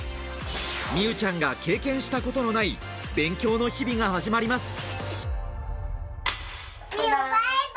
美羽ちゃんが経験したことのない勉強の日々が始まります。